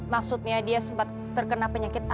maksudnya dia sempat terkena penyakit